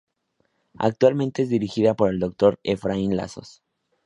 Actualmente es dirigida por el Dr. Efraín Lazos.